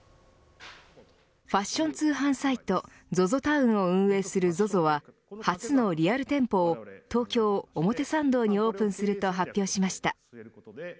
ファッション通販サイトＺＯＺＯＴＯＷＮを運営するＺＯＺＯは初のリアル店舗を東京、表参道にオープンすると発表しました。